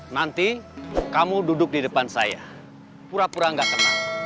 nanti kamu duduk di depan saya pura pura gak kenal